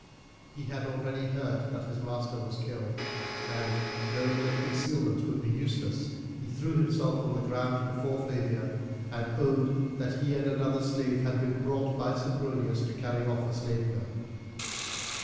He had already heard that his master was killed, and, knowing that concealment would be useless, he threw himself on the ground before Flavia, and owned that he and another slave had been brought by Sempronius to carry off a slave girl.